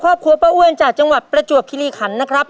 ครอบครัวป้าอ้วนจากจังหวัดประจวบคิริขันนะครับ